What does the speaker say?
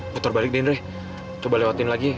putar balik deh coba lewatin lagi